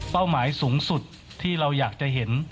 หมายสูงสุดที่เราอยากจะเห็น